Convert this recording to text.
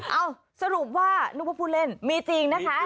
สรุปว่านึกว่าผู้เล่นมีจริงนะคะ